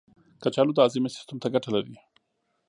کچالو د هاضمې سیستم ته ګټه لري.